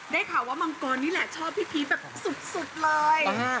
ได้ข่าวว่ามังกรนี่แหละชอบพี่พีชแบบสุดเลย